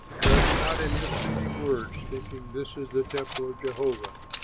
Trust not in misleading words, thinking, this is the temple of Jehovah.